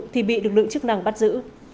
thì bị lực lượng chức năng bắt giữ